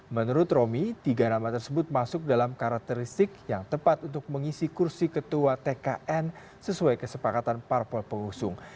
menurut romi tiga nama tersebut masuk dalam karakteristik yang tepat untuk mengisi kursi ketua tkn sesuai kesepakatan parpol pengusung